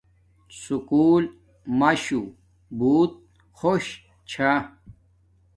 سکوُل ماشو بوت خوش چھا